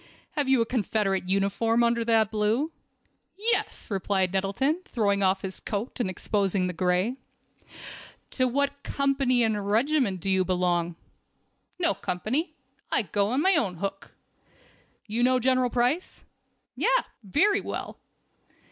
"Have you a Confederate uniform under that blue?" "Yes," replied Nettleton, throwing off his coat and exposing the gray. "To what company and regiment do you belong?" "No company. I go it on my own hook." "You know General Price?" "Yes, very well."